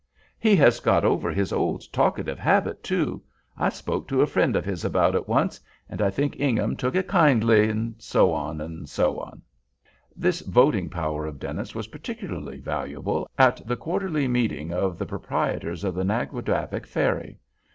"He has got over his old talkative habit, too. I spoke to a friend of his about it once; and I think Ingham took it kindly," etc., etc. This voting power of Dennis was particularly valuable at the quarterly meetings of the Proprietors of the Naguadavick Ferry.